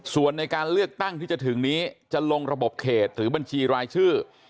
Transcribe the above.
ส่วนในการเลือกตั้งที่จะถึงนี้จะลงระบบเขตหรือบัญชีรายชื่อ